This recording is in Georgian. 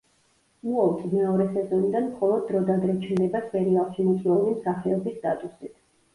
უოლტი მეორე სეზონიდან მხოლოდ დროდადრო ჩნდება სერიალში მოწვეული მსახიობის სტატუსით.